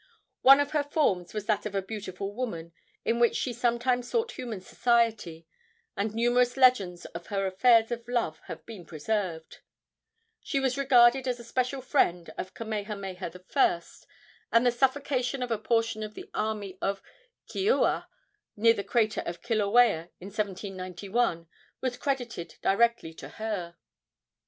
One of her forms was that of a beautiful woman, in which she sometimes sought human society, and numerous legends of her affairs of love have been preserved. She was regarded as the special friend of Kamehameha I., and the suffocation of a portion of the army of Keoua, near the crater of Kilauea, in 1791, was credited directly to her.